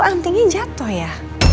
antingnya jatuh ya